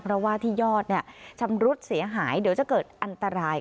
เพราะว่าที่ยอดชำรุดเสียหายเดี๋ยวจะเกิดอันตราย